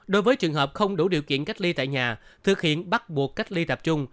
đối với trường hợp không đủ điều kiện cách ly tại nhà thực hiện bắt buộc cách ly tập trung